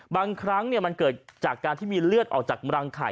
บางครั้งมันเกิดจากการที่มีเลือดออกจากรังไข่